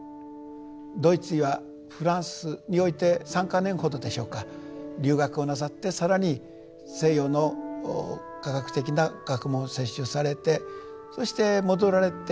ドイツやフランスにおいて３か年ほどでしょうか留学をなさって更に西洋の科学的な学問を摂取されてそして戻られて。